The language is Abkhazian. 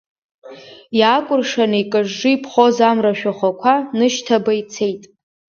Иаакәыршан икажжы иԥхоз амра ашәахәақәа нышьҭаба ицеит.